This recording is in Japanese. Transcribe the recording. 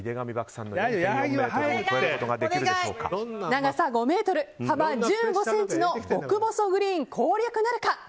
長さ５ｍ、幅１５ｃｍの極細グリーン攻略なるか。